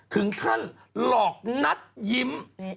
ถึงขั้นหลอกนัดยิ้ม